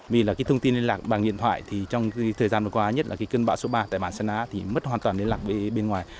vì là cái thông tin liên lạc bằng điện thoại thì trong thời gian vừa qua nhất là cái cơn bão số ba tại bản săn á thì mất hoàn toàn liên lạc với bên ngoài